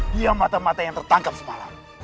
dia mata mata yang tertangkap semalam